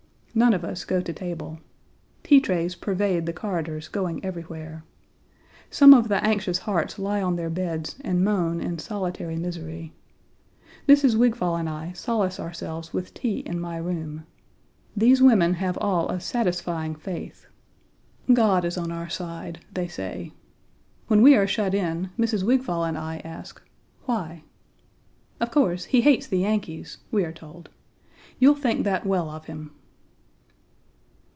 None of us go to table. Tea trays pervade the corridors going everywhere. Some of the anxious hearts lie on their beds and moan in solitary misery. Mrs. Wigfall and I solace ourselves with tea in my room. These women have all a satisfying faith. "God is on our side," they say. When we are shut in Mrs. Wigfall and I ask "Why?" "Of course, He hates the Yankees, we are told. You'll think that well of Him."